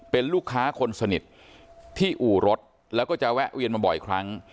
เป็นลูกค้าคนสนิทที่อู่รถแล้วก็จะแวะเวียนมาบ่อยครั้ง